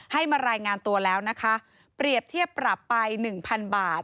ให้มารายงานตัวแล้วนะคะเปรียบเทียบปรับไป๑๐๐๐บาท